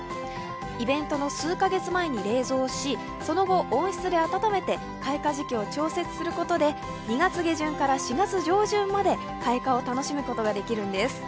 イベントの数か月前に冷蔵し、その後、温室で温めて開花時期を調節することで２月下旬から４月上旬まで開花を楽しむことができるんです。